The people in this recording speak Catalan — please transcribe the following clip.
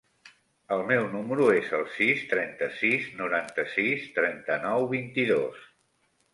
El meu número es el sis, trenta-sis, noranta-sis, trenta-nou, vint-i-dos.